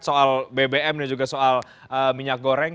soal bbm dan juga soal minyak goreng